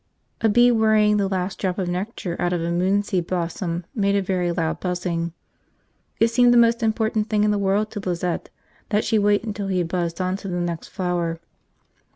A bee worrying the last drop of nectar out of a moonseed blossom made a very loud buzzing. It seemed the most important thing in the world to Lizette that she wait until he had buzzed on to the next flower.